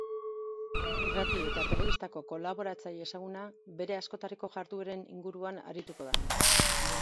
Irrati eta telebistako kolaboratzaile ezaguna bere askotariko jardueren inguruan arituko da.